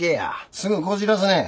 すぐこじらすねん。